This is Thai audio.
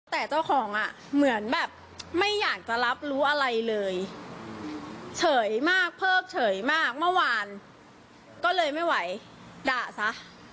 แต่เจ้าของอ่ะเหมือนแบบไม่อยากจะรับรู้อะไรเลยเฉยมากเพิกเฉยมากเมื่อวานก็เลยไม่ไหวด่าซะ